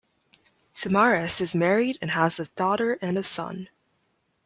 Samaras is married and has a daughter and a son.